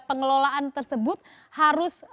pengelolaan tersebut harus